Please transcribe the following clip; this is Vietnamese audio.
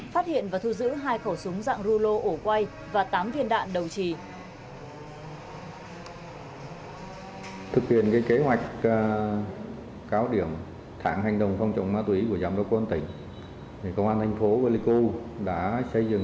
phát hiện và thu giữ hai đoạn ống hút bằng nhựa màu đỏ đối tượng khai là ma túy đá cùng một khẩu súng